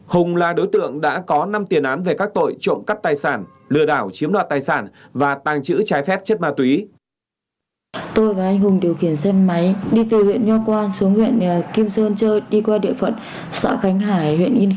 hùng là đối tượng đã có năm tiền án về các tội trộm cắp tài sản lừa đảo chiếm đoạt tài sản và tàng trữ trái phép chất ma túy